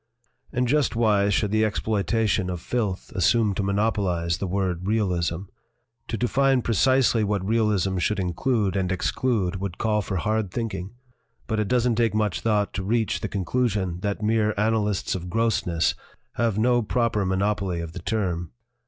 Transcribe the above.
"And just why should the exploitation of filth assume to monopolize the word 'realism'? To define precisely what realism should include and exclude would call for hard thinking. But it doesn't take much thought to reach the conclu sion that mere annalists of grossness have no proper monopoly of the term.